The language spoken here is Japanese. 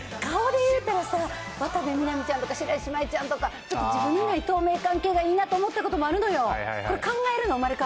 顔で言うたらさ、わたなべみなみちゃんとか、白石麻衣ちゃんとか、自分にない透明関係がいいなと思ったこともあるのよ。